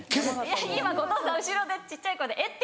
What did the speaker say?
今後藤さん後ろで小っちゃい声で「え？」って。